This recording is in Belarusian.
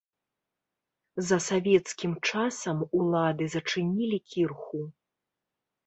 За савецкім часам улады зачынілі кірху.